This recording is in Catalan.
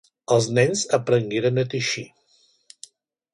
Els nens aprengueren a teixir.